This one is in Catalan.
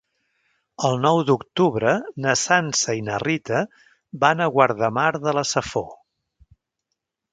El nou d'octubre na Sança i na Rita van a Guardamar de la Safor.